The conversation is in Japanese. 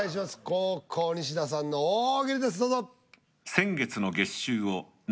後攻西田さんの大喜利ですどうぞ。